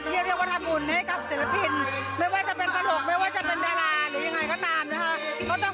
เรียกว่าทำบุญให้กับศิลปินไม่ว่าจะเป็นตลกไม่ว่าจะเป็นดาราหรือยังไงก็ตามนะคะ